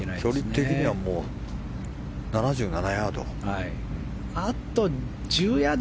距離的にはもう７７ヤード。